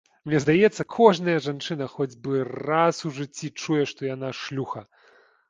Мне здаецца, кожная жанчына хоць бы раз у жыцці чуе, што яна шлюха.